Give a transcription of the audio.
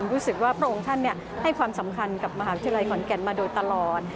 รู้สึกว่าพระองค์ท่านให้ความสำคัญกับมหาวิทยาลัยขอนแก่นมาโดยตลอด